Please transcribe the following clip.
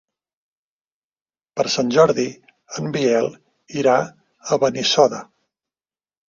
Per Sant Jordi en Biel irà a Benissoda.